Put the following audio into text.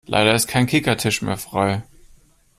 Leider ist kein Kickertisch mehr frei.